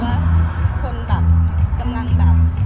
แม็กซ์ก็คือหนักที่สุดในชีวิตเลยจริง